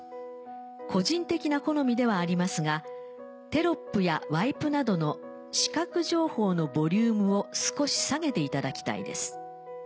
「個人的な好みではありますがテロップやワイプなどの視覚情報のボリュームを少し下げていただきたいです。